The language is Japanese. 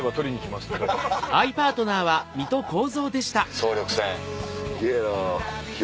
総力戦。